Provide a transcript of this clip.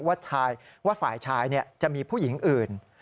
ว่าฝ่ายชายจะมีผู้หญิงอื่น